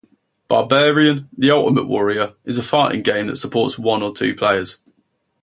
"Barbarian: The Ultimate Warrior" is a fighting game that supports one or two players.